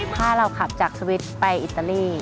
ถ้าเราขับจากสวิตช์ไปอิตาลี